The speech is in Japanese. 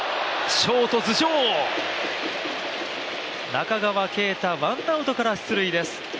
中川圭太、ワンアウトから出塁です。